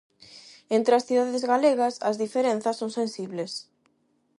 Entre as cidades galegas, as diferenzas son sensibles.